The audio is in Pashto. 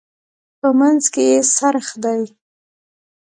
په منځ کې یې څرخ دی.